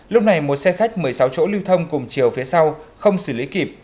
lúc này một xe khách một mươi sáu chỗ lưu thông cùng chiều phía sau không xử lý kịp